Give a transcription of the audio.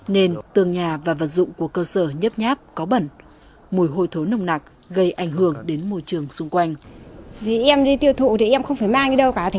nên tường nhà và vật dụng của cơ sở nhấp nháp có bẩn mùi hôi thối nồng nặc gây ảnh hưởng đến môi trường xung quanh